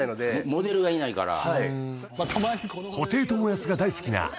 モデルがいないから。